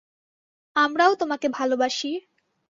আমরাও তোমাকে ভালোবাসি।